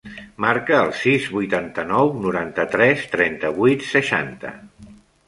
Marca el sis, vuitanta-nou, noranta-tres, trenta-vuit, seixanta.